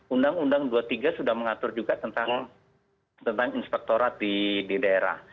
undang undang dua puluh tiga sudah mengatur juga tentang inspektorat di daerah